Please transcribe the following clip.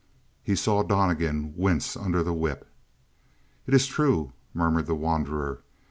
He saw Donnegan wince under the whip. "It is true," murmured the wanderer.